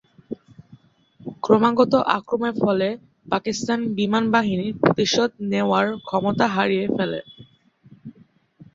ক্রমাগত আক্রমণের ফলে পাকিস্তান বিমান বাহিনী প্রতিশোধ নেওয়ার ক্ষমতা হারিয়ে পেলে।